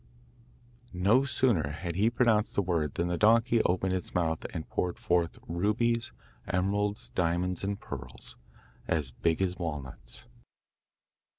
No sooner had he pronounced the word than the donkey opened its mouth and poured forth rubies, emeralds, diamonds and pearls, as big as walnuts.